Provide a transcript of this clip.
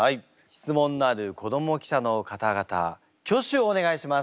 質問のある子ども記者の方々挙手をお願いします。